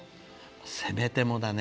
せめてもだね。